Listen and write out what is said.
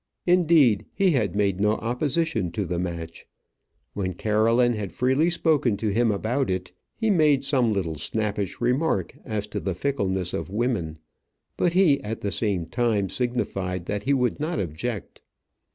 Indeed, he had made no opposition to the match. When Caroline had freely spoken to him about it, he made some little snappish remark as to the fickleness of women; but he at the same time signified that he would not object.